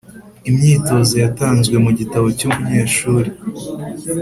Imyitozo yatanzwe mu gitabo cy’umunyeshuri